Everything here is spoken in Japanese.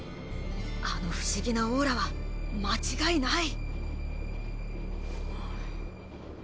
あの不思議なオーラは間違いない！